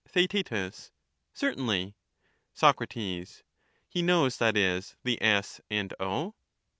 Theaet, Certainly. Sac, He knows, that is, the S and O